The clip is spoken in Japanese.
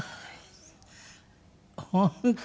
本当？